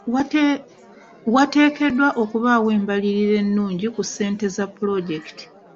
Wateekeddwa okubaawo embalirira ennungi ku ssente za pulojekiti.